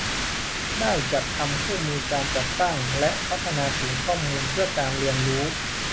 ได้จัดทำคู่มือการจัดตั้งและพัฒนาศูนย์ข้อมูลเพื่อการเรียนรู้